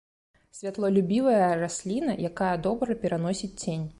Святлолюбівая расліна, якая добра пераносіць цень.